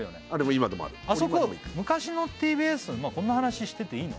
今でも行くあそこ昔のＴＢＳこんな話してていいの？